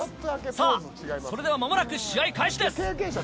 さぁそれでは間もなく試合開始です。